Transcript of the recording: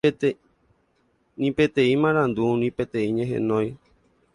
ni peteĩ marandu, ni peteĩ ñehenói